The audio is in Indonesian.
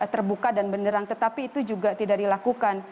terbuka dan benderang tetapi itu juga tidak dilakukan